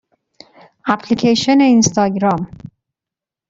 اپلیکیشن اینستاگرام